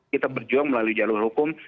kita berjuang melalui jalur hukum